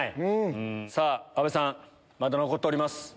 さぁ阿部さんまだ残っております。